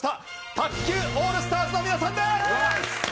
卓球オールスターズの皆さんです！